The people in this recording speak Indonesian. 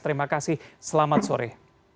terima kasih selamat sore